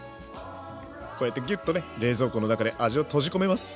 こうやってギュッとね冷蔵庫の中で味を閉じ込めます。